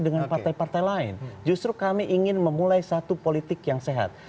dengan partai partai lain justru kami ingin memulai satu politik yang sehat